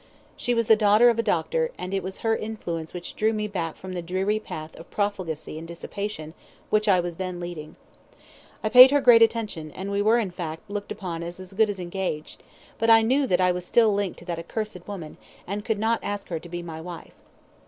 She was the daughter of a doctor, and it was her influence which drew me back from the dreary path of profligacy and dissipation which I was then leading. I paid her great attention, and we were, in fact, looked upon as good as engaged; but I knew that I was still linked to that accursed woman, and could not ask her to be my wife.